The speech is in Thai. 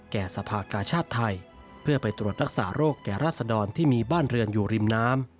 สภากาชาติไทยเพื่อไปตรวจรักษาโรคแก่ราษดรที่มีบ้านเรือนอยู่ริมน้ำ